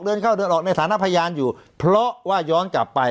เดินเข้าเดินออกในฐานะพยานอยู่เพราะว่าย้อนกลับไป